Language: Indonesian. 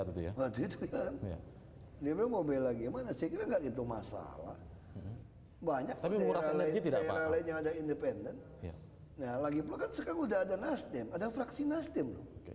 waktu itu ya mau bela gimana saya kira nggak itu masalah banyak daerah lain yang ada independen nah lagi pula kan sekarang udah ada nasdem ada fraksi nasdem